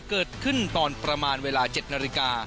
เกิดขึ้นตอนประมาณเวลา๗นาฬิกา